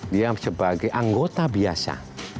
dia sebagai anggota biasa